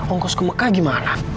ongkos ke mekah gimana